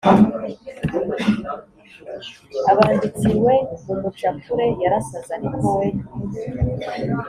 abanditsi, “we, mumucapure, 'yarasaze ariko we'